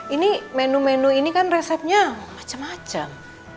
ini menu menu ini kan resepnya macam macam